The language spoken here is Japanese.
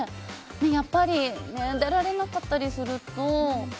やっぱり出られなかったりすると。